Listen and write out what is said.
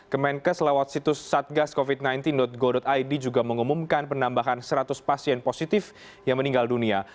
kemenkes lewat situs satgascovid sembilan belas go id juga mengumumkan penambahan seratus pasien positif yang meninggal dunia